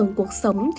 yêu cuộc sống